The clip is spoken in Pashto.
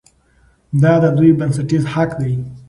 دا د دوی بنسټیز حق دی.